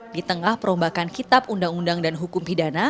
di tengah perombakan kitab undang undang dan hukum pidana